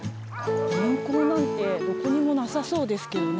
銀行なんてどこにもなさそうですけどね。